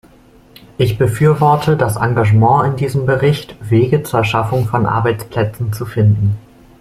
Ich befürworte das Engagement in diesem Bericht, Wege zur Schaffung von Arbeitsplätzen zu finden.